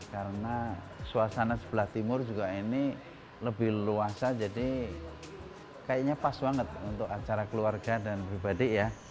karena suasana sebelah timur juga ini lebih luasa jadi kayaknya pas banget untuk acara keluarga dan pribadi ya